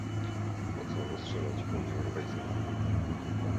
Po co rozszerzać Unię Europejską?